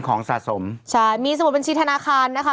ของสะสมใช่มีสมุดบัญชีธนาคารนะคะ